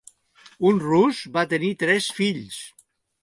Un rus va tenir tres fills.